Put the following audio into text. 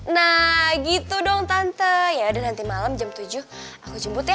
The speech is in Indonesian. nah gitu dong tante ya udah nanti malam jam tujuh aku jemput ya